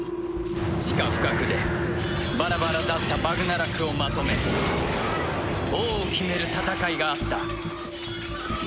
地下深くでバラバラだったバグナラクをまとめ王を決める戦いがあった。